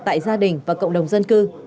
tại gia đình và cộng đồng dân cư